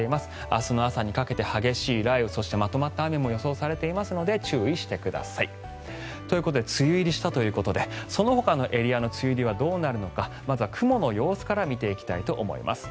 明日の朝にかけて激しい雷雨まとまった雨も予想されていますので注意してください。ということで梅雨入りしたということでそのほかのエリアの梅雨入りはどうなるのかまずは雲の様子から見ていきたいと思います。